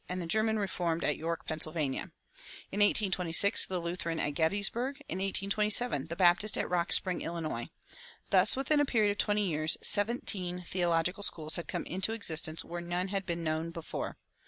and the German Reformed at York, Pa.; in 1826 the Lutheran at Gettysburg; in 1827 the Baptist at Rock Spring, Ill. Thus, within a period of twenty years, seventeen theological schools had come into existence where none had been known before.